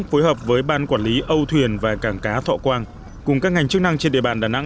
phối hợp với ban quản lý âu thuyền và cảng cá thọ quang cùng các ngành chức năng trên địa bàn đà nẵng